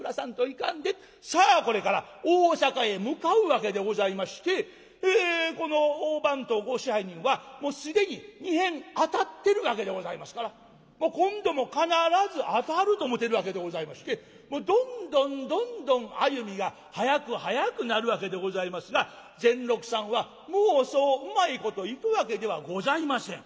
さあこれから大坂へ向かうわけでございましてこの大番頭ご支配人は既に２へん当たってるわけでございますから今度も必ず当たると思てるわけでございましてどんどんどんどん歩みが速く速くなるわけでございますが善六さんはもうそううまいこといくわけではございません。